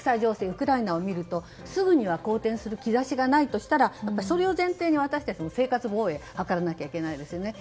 ウクライナを見るとすぐには好転する兆しがないとしたらそれを前提に私たちも生活防衛を図らないとですね。